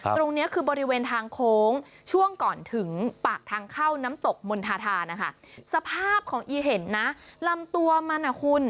ตรงนี้คือบริเวณทางโค้งช่วงก่อนถึงปากทางเข้าน้ำตกมณฑาธานะคะสภาพของอีเห็นนะลำตัวมันอ่ะคุณ